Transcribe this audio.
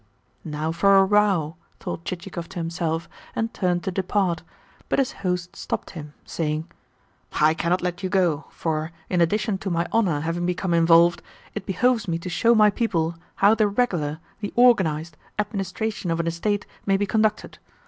"Now for a row!" thought Chichikov to himself, and turned to depart; but his host stopped him, saying: "I cannot let you go, for, in addition to my honour having become involved, it behoves me to show my people how the regular, the organised, administration of an estate may be conducted.